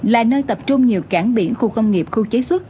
là nơi tập trung nhiều cảng biển khu công nghiệp khu chế xuất